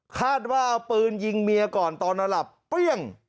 คาดว่าเอาปืนยิงเมียก่อนตอนนอนหลับเปรี้ยง